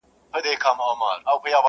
قاسم یاره دوی لقب د اِبهام راوړ-